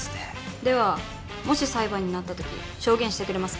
ではもし裁判になったとき証言してくれますか？